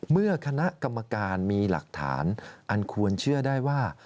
เมื่อคณะกรรมการมีหลักฐานอันควรเชื่อได้ว่า